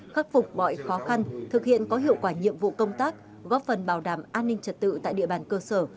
khắc phục mọi khó khăn thực hiện có hiệu quả nhiệm vụ công tác góp phần bảo đảm an ninh trật tự tại địa bàn cơ sở